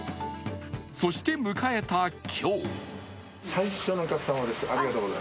そして迎えた今日。